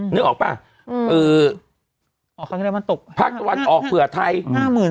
นึกออกป่ะภาควันออกเผื่อไทย